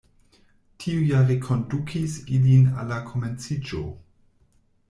Tio ja rekondukis ilin al la komenciĝo.